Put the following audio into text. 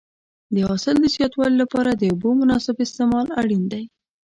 د حاصل د زیاتوالي لپاره د اوبو مناسب استعمال اړین دی.